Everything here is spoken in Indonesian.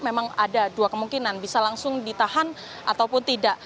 memang ada dua kemungkinan bisa langsung ditahan ataupun tidak